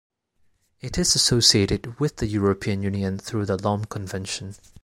It is associated with the European Union through the Lome Convention.